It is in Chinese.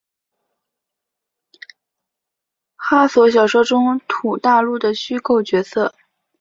哈索小说中土大陆的虚构角色。